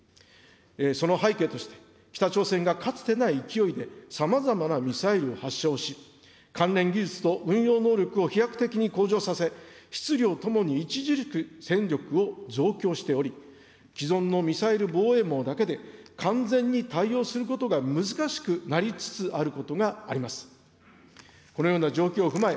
その背景として、北朝鮮がかつてない勢いでさまざまなミサイルを発射をし、関連技術と運用能力を飛躍的に向上させ、質・量ともに著しく戦力を増強しており、既存のミサイル防衛網だけで完全に対応することが難しくなりつつあることがあります。